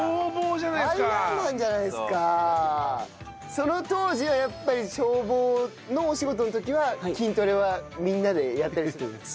その当時はやっぱり消防のお仕事の時は筋トレはみんなでやってらしたんですか？